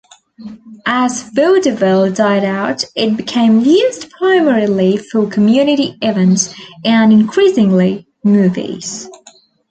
As vaudeville died out, it became used primarily for community events, and increasingly, movies.